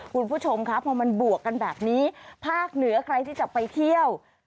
คุณผู้ชมครับพอมันบวกกันแบบนี้ภาคเหนือใครที่จะไปเที่ยว